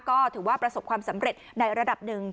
ก็ถือว่าประสบความสำเร็จในระดับหนึ่ง